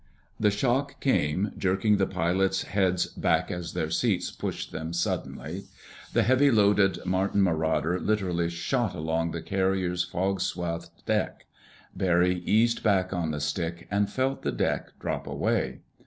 The shock came, jerking the pilots' heads back as their seats pushed them suddenly. The heavily loaded Martin Marauder literally shot along the carrier's fog swathed deck. Barry eased back on the stick, and felt the deck drop away.